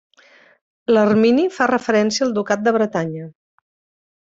L'ermini fa referència al Ducat de Bretanya.